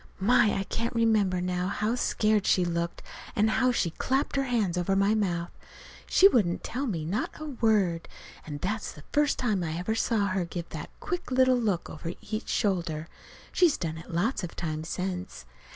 My, I can remember now how scared she looked, and how she clapped her hand over my mouth. She wouldn't tell me not a word. And that's the first time I ever saw her give that quick little look over each shoulder. She's done it lots of times since.